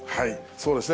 そうですね。